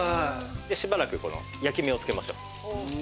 しばらく焼き目をつけましょう。